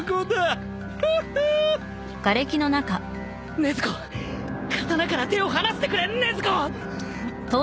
禰豆子刀から手を離してくれ禰豆子！